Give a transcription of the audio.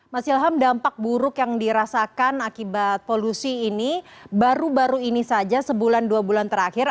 mas ilham dampak buruk yang dirasakan akibat polusi ini baru baru ini saja sebulan dua bulan terakhir